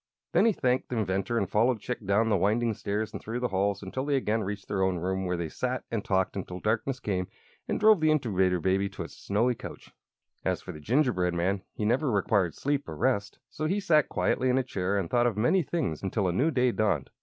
Then he thanked the inventor and followed Chick down the winding stairs and through the halls until they again reached their own room, where they sat and talked until darkness came and drove the Incubator Baby to its snowy couch. As for the gingerbread man, he never required sleep or rest; so he sat quietly in a chair and thought of many things until a new day dawned.